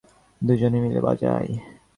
কুমুকে বললে, নে যন্ত্রটা, আমরা দুজনে মিলে বাজাই।